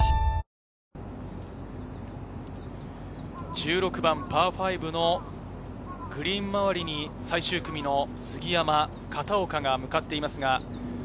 １６番、パー５のグリーン周りに最終組の杉山、片岡が向かっています。